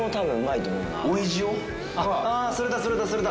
それだそれだそれだ。